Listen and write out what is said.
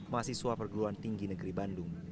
mahasiswa perguruan tinggi negeri bandung